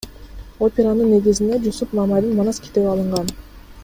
Операнын негизине Жусуп Мамайдын Манас китеби алынган.